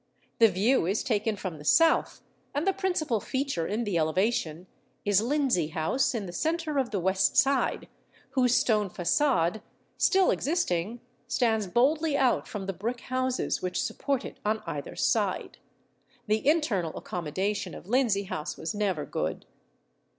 The view is taken from the south, and the principal feature in the elevation is Lindsey House in the centre of the west side, whose stone façade, still existing, stands boldly out from the brick houses which support it on either side. The internal accommodation of Lindsey House was never good.